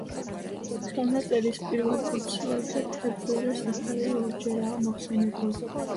ხელნაწერის პირველ ფურცლებზე თევდორეს სახელი ორჯერაა მოხსენებული.